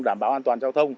đảm bảo an toàn giao thông